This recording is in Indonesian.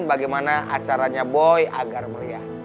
bagaimana acaranya boy agar meriah